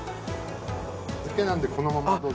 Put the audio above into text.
漬けなんでこのままどうぞ。